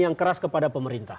yang keras kepada pemerintah